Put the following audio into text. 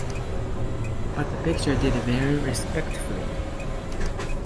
But the picture did very respectfully.